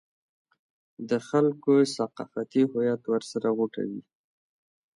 د خلکو ثقافتي هویت ورسره غوټه وي.